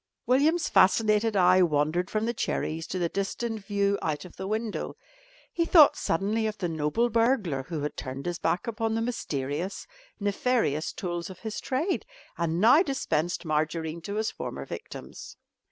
William's fascinated eye wandered from the cherries to the distant view out of the window. He thought suddenly of the noble burglar who had turned his back upon the mysterious, nefarious tools of his trade and now dispensed margarine to his former victims.